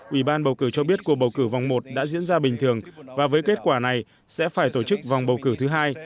ủy ban bầu cử cho biết cuộc bầu cử vòng một đã diễn ra bình thường và với kết quả này sẽ phải tổ chức vòng bầu cử thứ hai